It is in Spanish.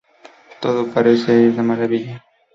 Todo parecía ir de maravilla.